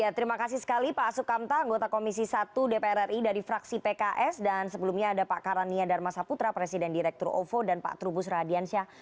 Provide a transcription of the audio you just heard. ya terima kasih sekali pak sukamta anggota komisi satu dpr ri dari fraksi pks dan sebelumnya ada pak karania dharma saputra presiden direktur ovo dan pak trubus radiansyah